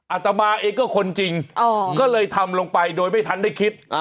อาตมาเองก็คนจริงก็เลยทำลงไปโดยไม่ทันได้คิด